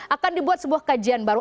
akan dibuat sebuah kajian baru